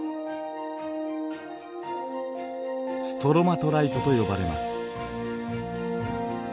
ストロマトライトと呼ばれます。